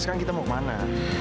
sekarang kita mau kemana